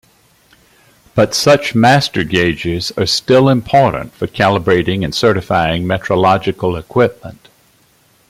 But such master gauges are still important for calibrating and certifying metrological equipment.